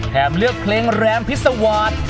เลือกเพลงแรมพิษวาส